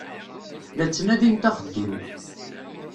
La ttnadint axeddim.